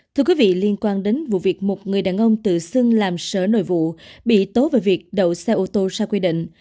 thưa quý vị liên quan đến vụ việc một người đàn ông tự xưng làm sở nội vụ bị tố về việc đậu xe ô tô xa quy định